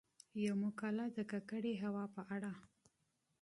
يومـقاله د کـکړې هـوا په اړه :